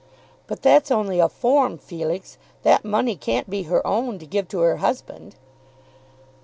"But that's only a form, Felix. That money can't be her own, to give to her husband."